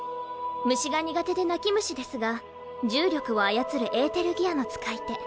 虫が苦手で泣き虫ですが重力を操るエーテルギアの使い手。